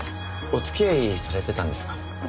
お付き合いされてたんですか？